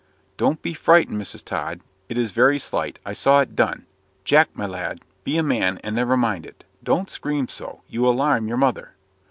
"Don't be frightened, Mrs. Tod; it is very slight I saw it done. Jack, my lad! be a man, and never mind it. Don't scream so; you alarm your mother."